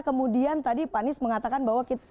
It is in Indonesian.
kemudian tadi pak anies mengatakan bahwa